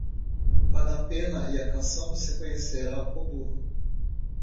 Para a pena e a canção você conhecerá o burro.